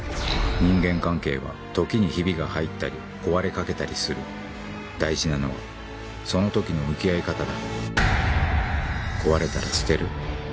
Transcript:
人間関係は時にヒビが入ったり壊れかけたりする大事なのはその時の向き合い方だ壊れたら捨てる？